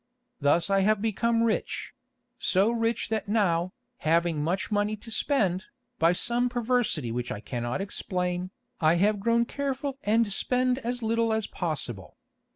Thus I have become rich—so rich that now, having much money to spend, by some perversity which I cannot explain, I have grown careful and spend as little as possible.